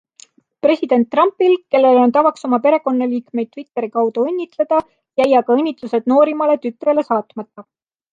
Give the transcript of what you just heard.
President Trumpil, kel on tavaks oma perekonnaliikmeid Twitteri kaudu õnnitleda, jäi aga õnnitlused noorimale tütrele saatmata.